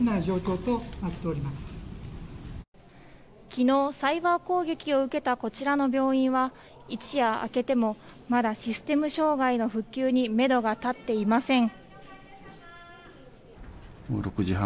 昨日サイバー攻撃を受けたこちらの病院は一夜明けてもまだ、システム障害の復旧にめどが立っていません。